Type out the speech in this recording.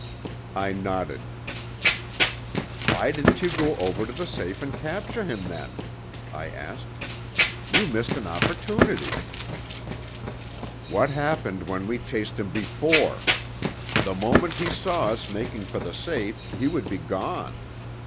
I nodded. "Why didn't you go over to the safe and capture him then?" I asked. "You missed an opportunity." "What happened when we chased him before? The moment he saw us making for the safe he would be gone.